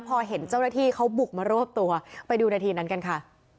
พอเห็นเจ้าหน้าที่เขาบุกมารวบตัวไปดูนาทีนั้นกันค่ะ